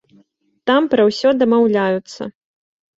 Там пра ўсё дамаўляюцца.